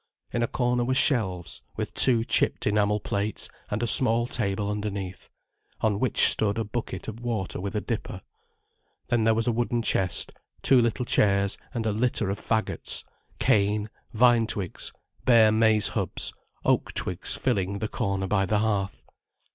In a corner were shelves, with two chipped enamel plates, and a small table underneath, on which stood a bucket of water with a dipper. Then there was a wooden chest, two little chairs, and a litter of faggots, cane, vine twigs, bare maize hubs, oak twigs filling the corner by the hearth.